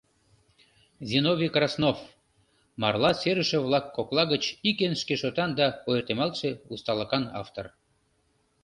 Зиновий Краснов — марла серыше-влак кокла гыч ик эн шкешотан да ойыртемалтше усталыкан автор.